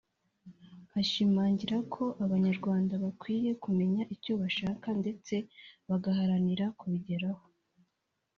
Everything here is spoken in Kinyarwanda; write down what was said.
Ashimangira ko Abanyarwanda bakwiye kumenya icyo bashaka ndetse bagaharanira kubigeraho